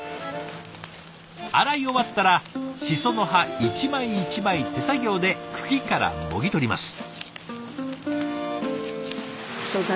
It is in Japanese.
洗い終わったらシソの葉一枚一枚手作業で茎からもぎ取ります。